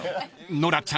［ノラちゃん